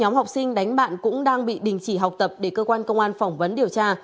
nhóm học sinh đánh bạn cũng đang bị đình chỉ học tập để cơ quan công an phỏng vấn điều tra